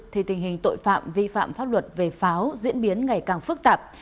thì tình hình tội phạm vi phạm pháp luật về pháo diễn biến ngày càng phức tạp